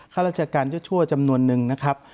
ข้าราชการชั่วจำนวนนึงนะครับ